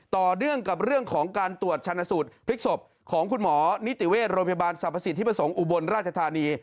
ต่อเนื่องกับเรื่องของการตรวจชันสูตรพลิกศพของคุณหมอนิติเวชโรงพยาบาลสรรพสิทธิประสงค์อุบลราชธานี